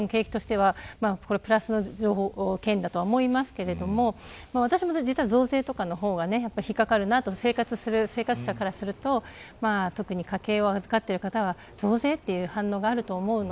でも止まれば景気としてはプラスになると思いますが私も実は増税とかの方が引っ掛かると生活者からすると特に家計を扱っている方は増税という反応があります。